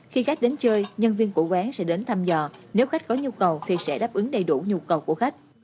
khi khách đến chơi nhân viên của quán sẽ đến thăm dò nếu khách có nhu cầu thì sẽ đáp ứng đầy đủ nhu cầu của khách